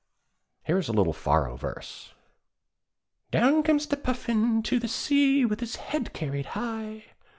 Here is a little Faroe verse: Down comes the Puffin to the sea, With his head carried high.